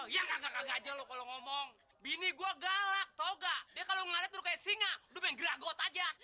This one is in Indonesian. ya gagal gagal aja lo kalau ngomong bini gua galak tahu nggak dia kalau ngaret duduk kayak singa lo main geragot aja